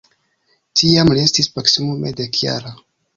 Tiam li estis proksimume dekjara.